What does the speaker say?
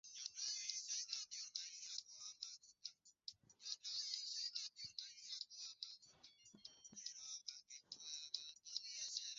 Lakini kutokana na kuendelea kwa teknolojia hivi sasa tunatangaza kupitia pia kwenye mitambo kupitia redio zetu shirika za kanda ya Afrika Mashariki na Kati.